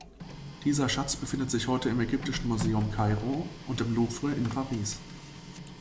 Dieser Schatz befindet sich heute im Ägyptischen Museum Kairo und im Louvre in Paris.